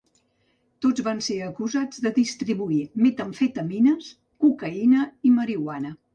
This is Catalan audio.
Tots van ser acusats de distribuir metamfetamines, cocaïna i marihuana.